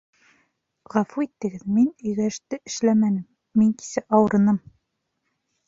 Ғәфү итегеҙ, мин өйгә эште эшләмәнем Мин кисә ауырыным